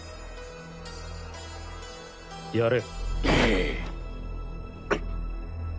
やれ。